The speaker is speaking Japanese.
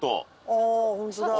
ああホントだ。